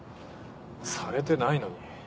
されてないのに。